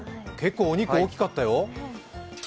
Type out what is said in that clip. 結構お肉大きかったよ。